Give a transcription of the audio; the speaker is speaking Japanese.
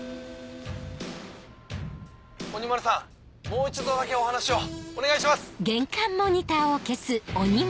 もう一度だけお話をお願いします！